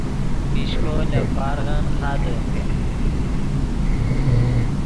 پیشکو لے پارغن خادے